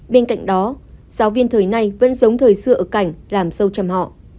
bên cạnh đó giáo viên thời nay vẫn giống thời xưa ở cảnh làm sâu trầm họ